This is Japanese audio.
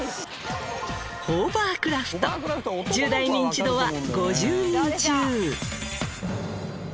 ホーバークラフト１０代ニンチドは５０人中。